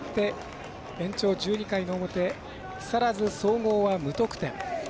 延長１２回の表木更津総合は無得点。